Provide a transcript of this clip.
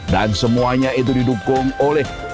dan semuanya itu didukung oleh